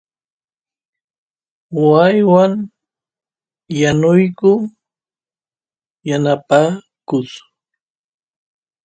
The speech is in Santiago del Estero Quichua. waaywan yanuyku yanapakus